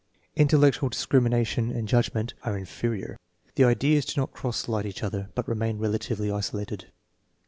Intellectual discrimination and judgment are in ferior. The ideas do not cross light each other, but remain relatively isolated.